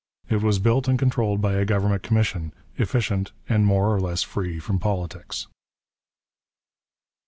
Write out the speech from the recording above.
It was built and controlled by a government commission, efficient and more or less free from politics.